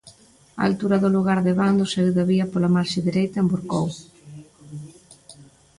Á altura do lugar de Bando saíu da vía pola marxe dereita e envorcou.